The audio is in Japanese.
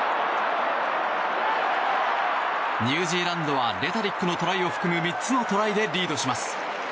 ニュージーランドはレタリックのトライを含む３つのトライで先制します。